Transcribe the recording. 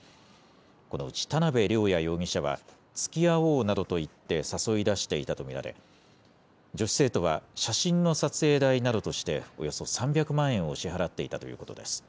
このうち田辺稜弥容疑者はつきあおうなどと言って誘い出していたと見られ、女子生徒は写真の撮影代などとして、およそ３００万円を支払っていたということです。